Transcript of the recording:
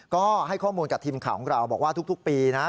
ก็ให้ข้อมูลกับทีมข่าวของเราบอกว่าทุกปีนะ